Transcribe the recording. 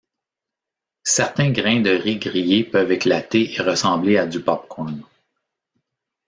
Certains grains de riz grillés peuvent éclater et ressembler à du pop-corn.